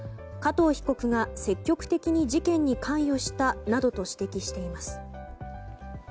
加藤被告が積極的に事件に関与したなどと指摘しています。